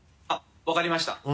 あっ分かりました。